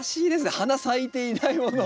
花咲いていないものを。